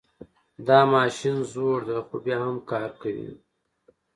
دا ماشین زوړ ده خو بیا هم کار کوي